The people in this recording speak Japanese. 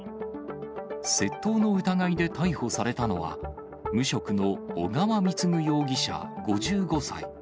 窃盗の疑いで逮捕されたのは、無職の小川貢容疑者５５歳。